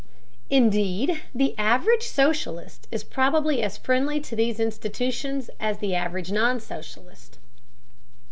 Indeed, the average socialist is probably as friendly to these institutions as is the average non socialist.